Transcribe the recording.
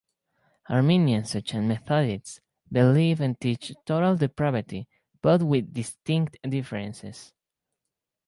Arminians, such as Methodists, believe and teach total depravity, but with distinct differences.